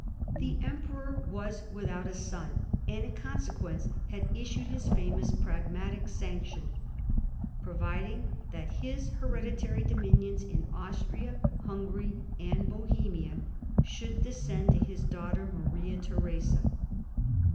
The Emperor was without a son, and, in consequence, had issued his femous Pragmatic Sanction, providing that his hereditary dominions in Austria, Hungary, and Bohemia should descend to his daughter Maria Theresa.